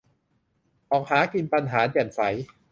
"ออกหากินบรรหารแจ่มใส"